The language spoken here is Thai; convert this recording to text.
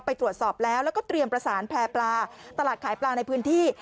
ไปตรวจสอบแล้วแล้วก็เตรียมประสานแพร่ปลาตลาดขายปลาในพื้นที่